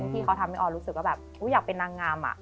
ที่เขาทำให้ออนรู้สึกว่าแบบอยากเป็นนางงาม